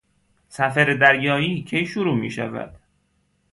سفر دریایی کی شروع میشود؟